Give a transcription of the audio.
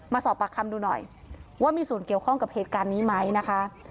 มาสอบปากคำดูหน่อยว่ามีส่วนเกี่ยวข้องกับเหตุการณ์นี้ไหมนะคะ